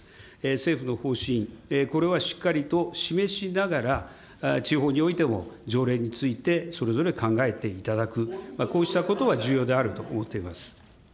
政府の方針、これはしっかりと示しながら、地方においても、条例について、それぞれ考えていただく、こうしたことが重要であると思っています。